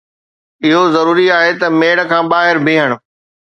اهو ضروري آهي ته ميڙ کان ٻاهر بيهڻ